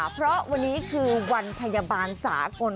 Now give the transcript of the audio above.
เพราะวันนี้คือวันพยาบาลสากล